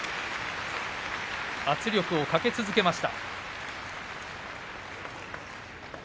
圧力をかけ続けました。